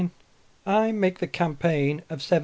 I MAKE THE CAMPAIGN OF 1704.